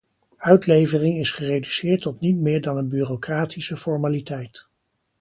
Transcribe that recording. Uitlevering is gereduceerd tot niet meer dan een bureaucratische formaliteit.